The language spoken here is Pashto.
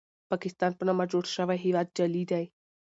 پاکستان په نامه جوړ شوی هېواد جعلي دی.